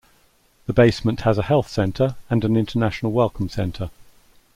The basement has a health center and an international welcome center.